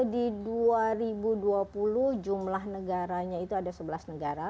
di dua ribu dua puluh jumlah negaranya itu ada sebelas negara